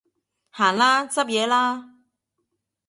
行啦，執嘢啦